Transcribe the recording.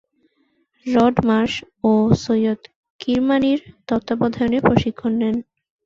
Rod Marsh ও সৈয়দ কিরমাণী’র তত্ত্বাবধানে প্রশিক্ষণ নেন।